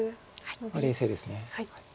冷静です。